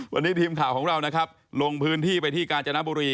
วันนี้ทีมข่าวของเรานะครับลงพื้นที่ไปที่กาญจนบุรี